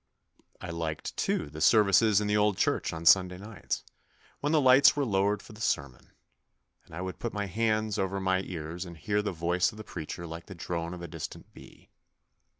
I liked, too, the services in the old 72 THE NEW BOY church on Sunday nights, when the lights were lowered for the sermon, and I would put my hands over my ears and hear the voice of the preacher like the drone of a distant bee.